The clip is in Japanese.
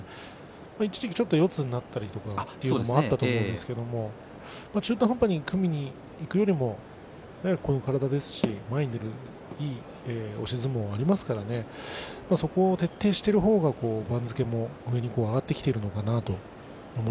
一時期ちょっと四つになったりということもありましたが中途半端に組みにいくよりもこういう体ですし前に出るいい押し相撲がありますからそこを徹底している方が番付も上に上がってくるのかな